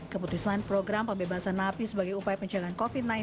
keputusan program pembebasan napi sebagai upaya pencegahan covid sembilan belas